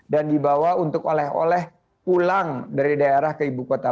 dan dibawa untuk oleh oleh pulang dari daerah ke ibu kota